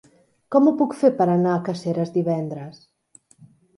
Com ho puc fer per anar a Caseres divendres?